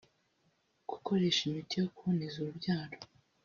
Gukoresha imiti yo kuboneza urubyaro